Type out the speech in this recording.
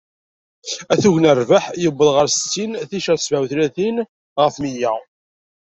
Atug n rrbeḥ yewweḍ ɣer settin ticcert sebεa u tlatin ɣef mya..